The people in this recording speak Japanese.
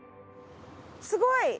すごい！